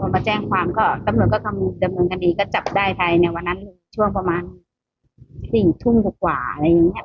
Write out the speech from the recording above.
มาแจ้งความตำรวจก็จับได้ในวันนั้นช่วงประมาณ๔ทุ่มถึงกว่าอะไรอย่างเงี้ย